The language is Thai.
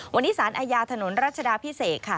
วันนี้สารอาญาถนนรัชดาพิเศษค่ะ